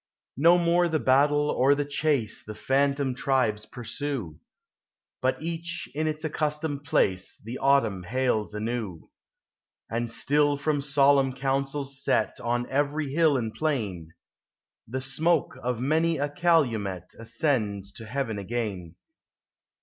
No more the battle or the chase The phantom tribes pursue, But each in its accustomed place The Autumn hails anew : And still from solemn councils set On every hill and plain, The smoke of many ;i calumel Ascends to heaven again.